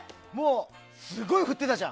すごい降ってたじゃん。